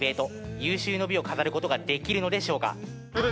有終の美を飾ることはできるのでしょうか。